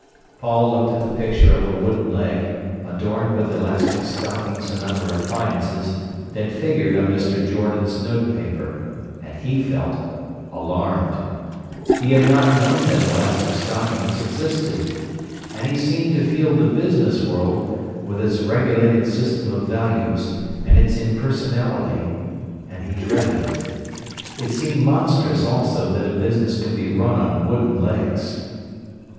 Paul looked at the picture of a wooden leg, adorned with elastic stockings and other appliances, that figured on Mr. Jordan's notepaper, and he felt alarmed. He had not known that elastic stockings existed. And he seemed to feel the business world, with its regulated system of values, and its impersonality, and he dreaded it. It seemed monstrous also that a business could be run on wooden legs.